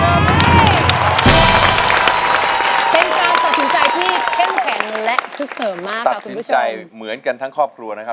เป็นการตัดสินใจที่เข้มแข็งและทรึกเหมือนกันทั้งครอบครัวนะคะ